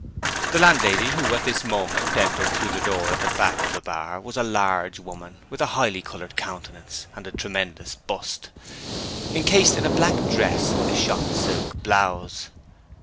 The landlady who at this moment entered through the door at the back of the bar was a large woman with a highly coloured countenance and a tremendous bust, incased in a black dress with a shot silk blouse.